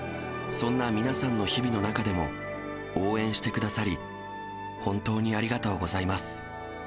そんな皆さんの日々の中でも、応援してくださり、本当にありがとうございます。